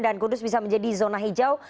dan kudus bisa menjadi zona hijau